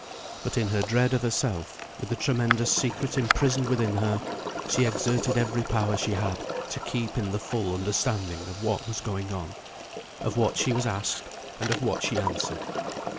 But in her dread of herself, with the tremendous secret imprisoned within her, she exerted every power she had to keep in the full understanding of what was going on, of what she was asked, and of what she answered.